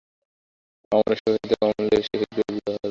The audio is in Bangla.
অমরের সহিত কমলের শীঘ্রই বিবাহ হইবে।